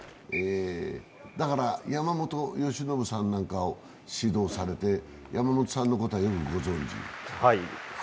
だから山本由伸さんなんかを指導されて山本さんのことはよくご存じ？